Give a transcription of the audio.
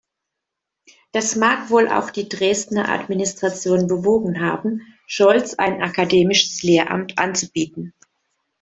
Das mag wohl auch die Dresdner Administration bewogen haben, Scholtz ein akademisches Lehramt anzubieten.